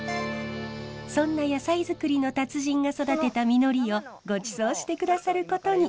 そんな野菜づくりの達人が育てた実りをごちそうして下さることに。